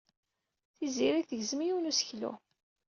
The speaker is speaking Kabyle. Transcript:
Tiziri tegzem yiwen n useklu.